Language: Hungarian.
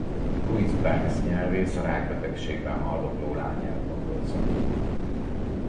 Louise Banks nyelvész a rákbetegségben haldokló lányát gondozza.